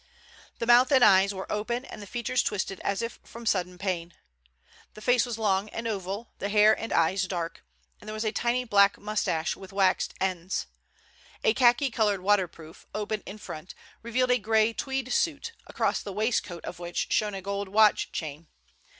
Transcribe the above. The mouth and eyes were open and the features twisted as if from sudden pain. The face was long and oval, the hair and eyes dark, and there was a tiny black mustache with waxed ends. A khaki colored waterproof, open in front, revealed a gray tweed suit, across the waistcoat of which shone a gold watch chain.